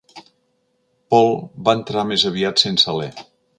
Paul va entrar més aviat sense alè.